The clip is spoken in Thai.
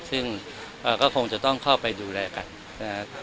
ซึ่งก็คงจะต้องเข้าไปดูแลกันนะครับ